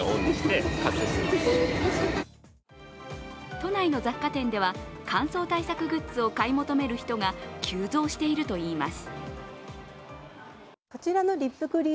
都内の雑貨店では乾燥対策グッズを買い求める人が急増しているといいます。